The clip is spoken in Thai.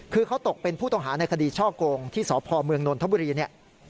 คือเขาตกเป็นผู้ต้องหาในคดีช่อโกงที่สพเมืองนนทบุรีเนี่ย